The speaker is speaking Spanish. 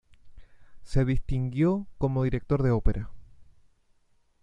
Se distinguió como director de ópera.